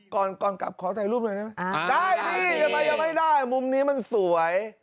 ก่อนกลับขอถ่ายรูปหน่อยนะได้ไม่ได้มุมนี้มันสวย